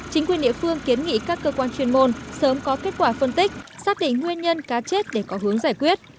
chính quyền địa phương kiến nghị các cơ quan chuyên môn sớm có kết quả phân tích xác định nguyên nhân cá chết để có hướng giải quyết